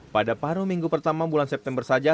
pada paru minggu pertama bulan september saja